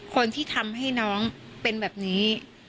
คนที่ทำให้น้องเป็นแบบนี้